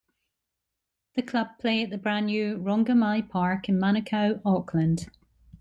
The club play at the brand new Rongomai Park in Manukau, Auckland.